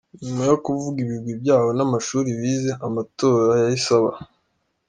Nyuma yo kuvuga ibigwi byabo n’amashuri bize, amatora yahise aba, Dr F.